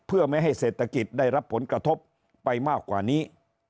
เพื่อไม่ให้เศรษฐกิจได้รับผลกระทบไปมากกว่านี้